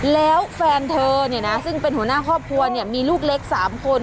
แล้วแฟนเธอเนี่ยนะซึ่งเป็นหัวหน้าครอบครัวมีลูกเล็ก๓คน